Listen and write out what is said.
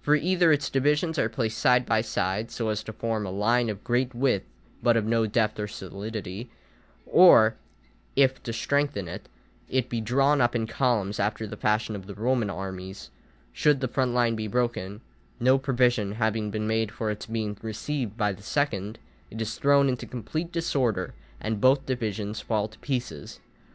For either its divisions are placed side by side, so as to form a line of great width but of no depth or solidity; or if, to strengthen it, it be drawn up in columns after the fashion of the Roman armies, should the front line be broken, no provision having been made for its being received by the second, it is thrown into complete disorder, and both divisions fall to pieces.